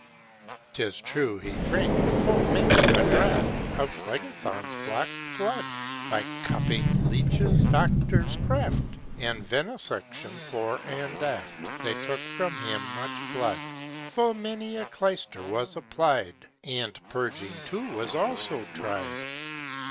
'Tis true he drank full many a draught Of Phlegethon's black flood; By cupping, leeches, doctor's craft, And venesection, fore and aft, They took from him much blood. Full many a clyster was applied, And purging, too, was also tried.